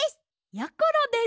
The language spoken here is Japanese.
やころです！